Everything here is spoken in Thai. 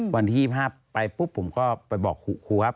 วันที่๒๕ไปปุ๊บผมก็ไปบอกครูครับ